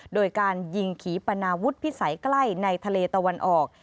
โดยการยิงขี่ปนาวุฒิพิสัยใกล้ในทะเลตะวันออก